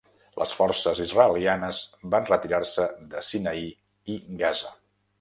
Les forces israelianes van retirar-se de Sinaí i Gaza.